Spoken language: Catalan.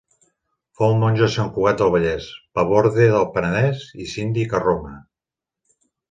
Fou monjo a Sant Cugat del Vallès, paborde al Penedès i síndic a Roma.